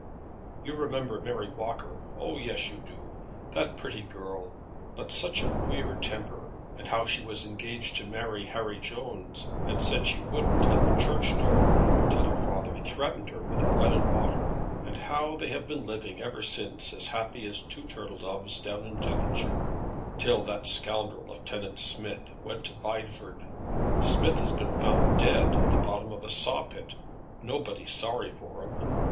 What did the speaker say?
"You remember Mary Walker. Oh yes, you do; that pretty girl, but such a queer temper! And how she was engaged to marry Harry Jones, and said she wouldn't at the church door, till her father threatened her with bread and water; and how they have been living ever since as happy as two turtle doves down in Devonshire, till that scoundrel, Lieutenant Smith, went to Bideford! Smith has been found dead at the bottom of a saw pit. Nobody's sorry for him.